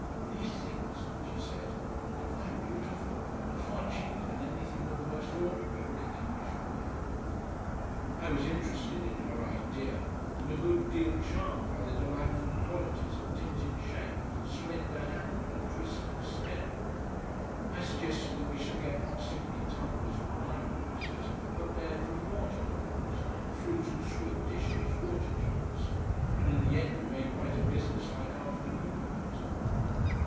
"These things," she said, "are quite beautiful, and far cheaper than anything but the most ordinary looking English ware." I was interested in her idea, and a good deal charmed by the delightful qualities of tinted shape, slender handle and twisted stem. I suggested we should get not simply tumblers and wineglasses but bedroom waterbottles, fruit and sweet dishes, water jugs, and in the end we made quite a business like afternoon of it.